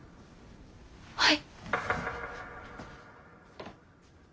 はい。